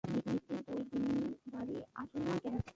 নিতিন দুই দিন বাড়ি আসেনি কেন?